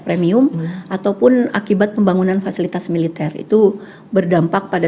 premium ataupun akibat pembangunan fasilitas militer itu berdampak pada